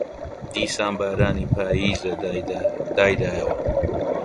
دیسان بارانی پاییزە دایدایەوە